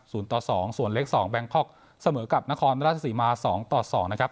ต่อสองส่วนเล็กสองแบงคอกเสมอกับนครราชสีมาสองต่อสองนะครับ